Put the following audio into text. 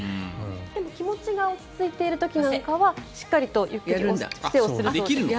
でも気持ちが落ち着いている時なんかはしっかりと伏せをするそうです。